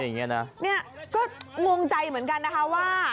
นี่งงใจเหมือนกันนะคะว่า